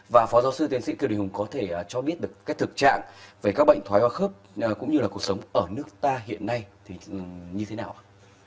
và phó giáo sư tiến sĩ kiều đình hùng có thể cho biết được cái thực trạng về các bệnh thoái hoa khớp cũng như là cuộc sống ở nước ta hiện nay thì như thế nào ạ